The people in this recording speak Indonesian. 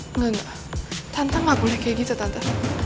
enggak enggak tante gak boleh kayak gitu tante